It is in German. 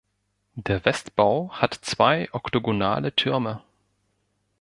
Der Westbau hat zwei oktogonale Türme.